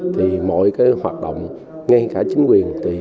thì mọi hoạt động ngay cả chính quyền